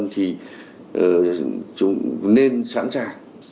thì chúng nên sẵn sàng